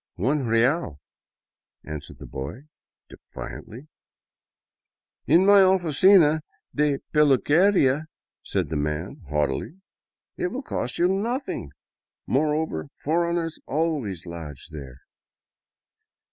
" One real," answered the boy, defiantly. *' In my oUcina de peluqueria," said the man, haughtily, " it will cost you nothing. Moreover, foreigners always lodge there."